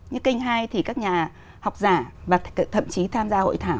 như kênh hai thì các nhà học giả và thậm chí tham gia hội thảo